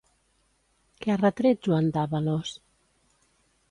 Què ha retret Joan d'Àbalos?